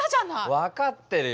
分かってるよ。